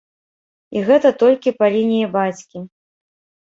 І гэта толькі па лініі бацькі.